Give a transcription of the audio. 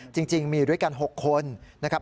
จริงมีด้วยกัน๖คนนะครับ